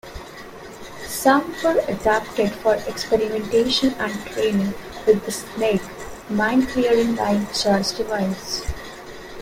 Some were adapted for experimentation and training with the "Snake" mine-clearing line charge device.